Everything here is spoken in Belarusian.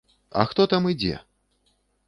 А хто там ідзе?